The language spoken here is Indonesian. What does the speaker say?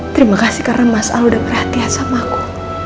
terima kasih karena mas al ojah perhatian sama ku